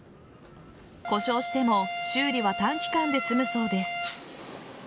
故障しても修理は短期間で済むそうです。